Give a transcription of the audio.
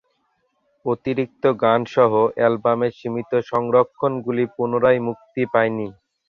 অতিরিক্ত গানসহ অ্যালবামের সীমিত সংস্করণগুলি পুনরায় মুক্তি পায় নি।